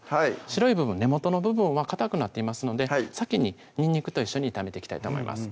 白い部分根元の部分はかたくなっていますので先ににんにくと一緒に炒めていきたいと思います